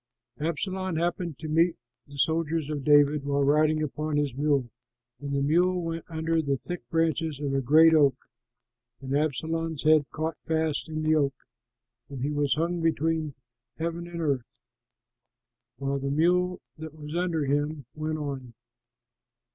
Absalom happened to meet the soldiers of David while riding upon his mule, and the mule went under the thick branches of a great oak, and Absalom's head caught fast in the oak, and he was hung between heaven and earth, while the mule that was under him went on.